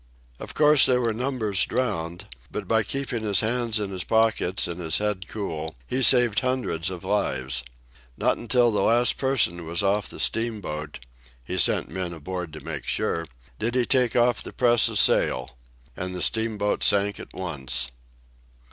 "Of course, there were numbers drowned, but by keeping his hands in his pockets and his head cool he saved hundreds of lives. Not until the last person was off the steamboat—he sent men aboard to make sure—did he take off the press of sail. And the steamboat sank at once."